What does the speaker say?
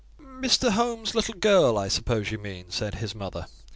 "Mr. Home's little girl, I suppose you mean," said his mother.